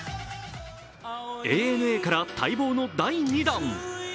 ＡＮＡから待望の第２弾。